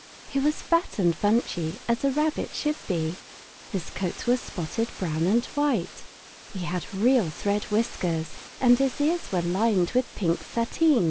He was fat and bunchy, as a rabbit should be; his coat was spotted brown and white, he had real thread whiskers, and his ears were lined with pink sateen.